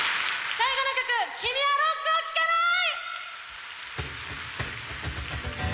最後の曲「君はロックを聴かない」！